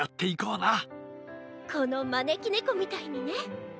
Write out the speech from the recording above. このまねきねこみたいにね。